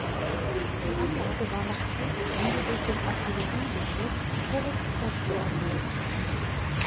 Die Anlage war nach Kriegsende durch den Artilleriebeschuss völlig zerstört.